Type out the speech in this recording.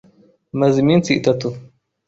Maze iminsi itatu.